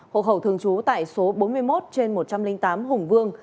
hộ khẩu thường trú tại số bốn mươi một trên một trăm linh tám hùng vương